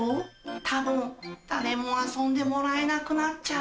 多分誰も遊んでもらえなくなっちゃう。